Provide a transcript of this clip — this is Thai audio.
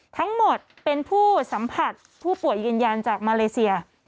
ทั้งหมดเป็นผู้สัมผัสผู้ป่วยยืนยันจากมาเลเซีย